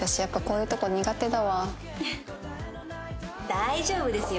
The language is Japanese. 大丈夫ですよ